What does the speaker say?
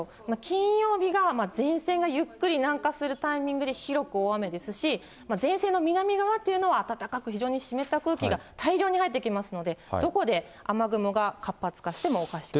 金曜日が前線がゆっくり南下するタイミングで広く大雨ですし、前線の南側というのは、暖かく非常に湿った空気が大量に入ってきますので、どこで雨雲が活発化してもおかしくないと。